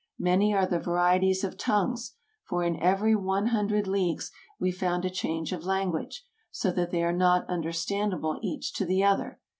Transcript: Many are the varieties of tongues, for in every one hundred leagues we found a change of language, so that they are not understandable each to the other.